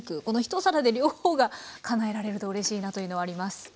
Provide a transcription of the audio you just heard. この一皿で両方がかなえられるとうれしいなというのはあります。